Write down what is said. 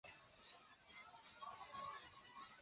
此计划是满洲问题专家列维托夫提出的。